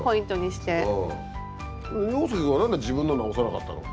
洋輔君は何で自分の直さなかったの？